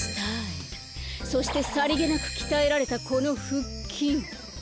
そしてさりげなくきたえられたこのふっきん。